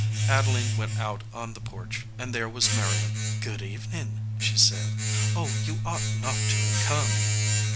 Adeline went out on the porch, and there was Marion. "Good evening," she said. "Oh, you ought not to have come